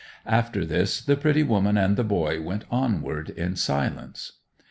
After this the pretty woman and the boy went onward in silence.